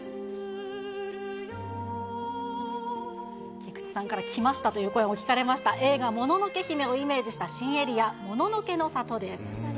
菊池さんから来ましたという声も聞かれました、映画、もののけ姫をイメージした新エリア、もののけの里です。